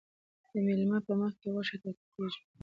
د میلمه په مخکې غوښه ټوټه کیږي.